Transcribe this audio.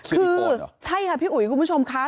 คือใช่ค่ะพี่อุ๋ยคุณผู้ชมค่ะ